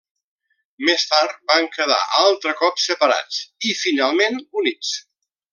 Més tard van quedar altre cop separats i finalment units.